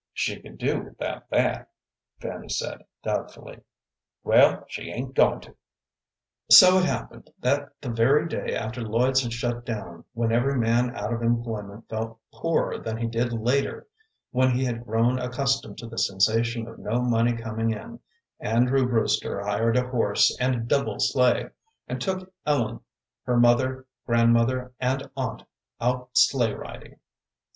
"She could do without that," Fanny said, doubtfully. "Well, she ain't goin' to." So it happened that the very day after Lloyd's had shut down, when every man out of employment felt poorer than he did later when he had grown accustomed to the sensation of no money coming in, Andrew Brewster hired a horse and double sleigh, and took Ellen, her mother, grandmother, and aunt out sleigh riding.